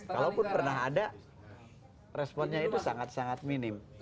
kalaupun pernah ada responnya itu sangat sangat minim